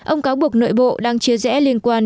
ông cáo buộc nội bộ đang chia rẽ liên quan